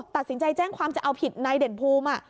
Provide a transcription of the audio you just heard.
ตัดสินใจแจ้งความจะเอาผิดนายเด่นภูมิ